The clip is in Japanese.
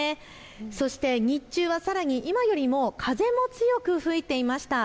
そして日中はさらに今よりも風が強く吹いていました。